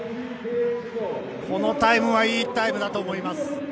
このタイムはいいタイムだと思います。